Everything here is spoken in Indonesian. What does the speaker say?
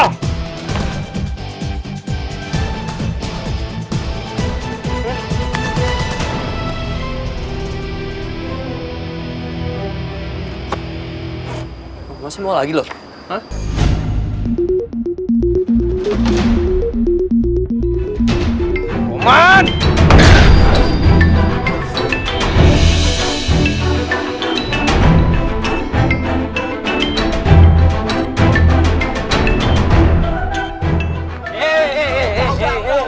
udah apa sih udah